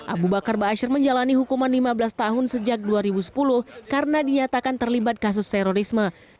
abu bakar ⁇ asyir ⁇ menjalani hukuman lima belas tahun sejak dua ribu sepuluh karena dinyatakan terlibat kasus terorisme